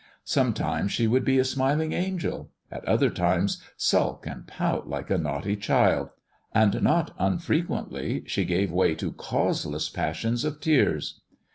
Some times she would be a smiling. angel, at others, sulk and pout like a naughty child ; and not unf requently she gave way to causeless passions of tears.